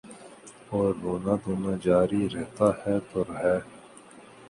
اوررونا دھونا جاری رہتاہے تو رہے۔